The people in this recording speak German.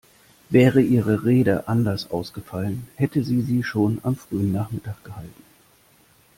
Wäre Ihre Rede anders ausgefallen, hätten Sie sie schon am frühen Nachmittag gehalten?